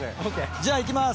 じゃあいきます。